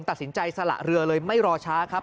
ตัดสินใจสละเรือเลยไม่รอช้าครับ